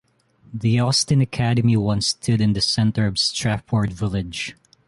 The Austin Academy once stood in the center of Strafford village.